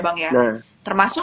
begitu kemudian saat berusukan gitu